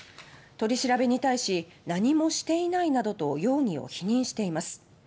取り調べに対し「何もしていない」などと容疑を否認しています。